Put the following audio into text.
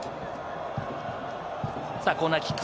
コーナーキック。